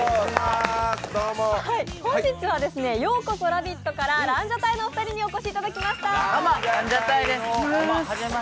本日は「＃ようこそラヴィット！」からランジャタイのお二人にお越しいただきました。